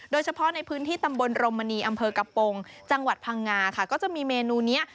โดยเฉพาะในพื้นที่ตำบลรมมณีอำเภอกระโปรงจังหวัดพังงาค่ะก็จะมีเมนูนี้